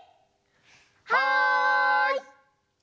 はい！